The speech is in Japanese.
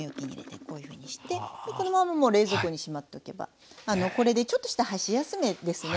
こういうふうにしてこのままもう冷蔵庫にしまっておけばこれでちょっとした箸休めですね。